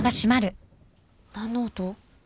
何の音？